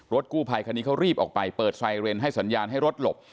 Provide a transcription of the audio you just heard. กู้ภัยคันนี้เขารีบออกไปเปิดไซเรนให้สัญญาณให้รถหลบ